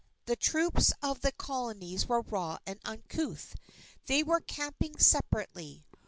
The troops of the Colonies were raw and uncouth. They were camping separately.